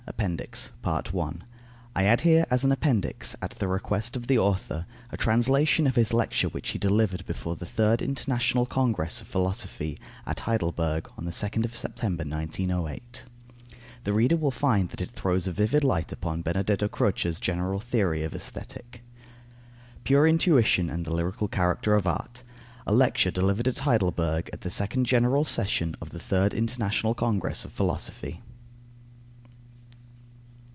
APPENDIX I here add as an appendix, at the request of the author, a translation of his lecture which he delivered before the Third International Congress of Philosophy, at Heidelberg, on 2nd September 1908. The reader will find that it throws a vivid light upon Benedetto Croce's general theory of Aesthetic. PURE INTUITION AND THE LYRICAL CHARACTER OF ART. _A Lecture delivered at Heidelberg at the second general session of the Third International Congress of Philosophy.